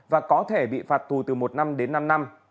và có thể bị phạt tù từ một năm đến năm năm